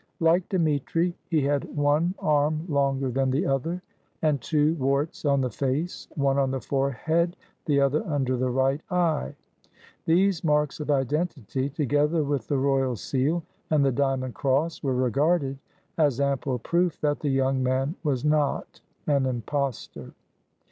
Like Dmitri, he had one arm lon 66 THE FALSE CZAR ger than the other, and two warts on the face, — one on the forehead, the other under the right eye. These marks of identity, together with the royal seal and the diamond cross, were regarded as ample proof that the young man was not an impostor.